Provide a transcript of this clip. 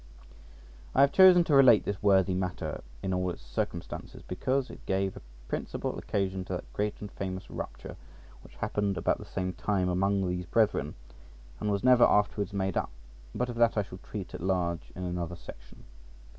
I have chosen to relate this worthy matter in all its circumstances, because it gave a principal occasion to that great and famous rupture {98a} which happened about the same time among these brethren, and was never afterwards made up. But of that I shall treat at large in another section.